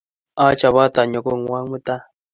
Achopot anyo kong'wong' mutai